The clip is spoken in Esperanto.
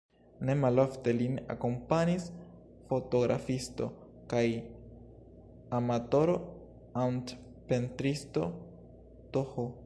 Ne malofte lin akompanis fotografisto kaj amatoro-artpentristo Th.